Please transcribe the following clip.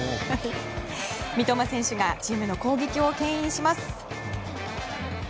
三笘選手がチームの攻撃を牽引します。